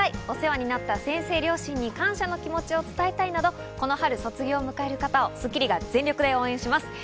お世話になった先生、両親に感謝の気持ちを伝えたいなど、この春、卒業を迎える方を『スッキリ』が全力で応援します。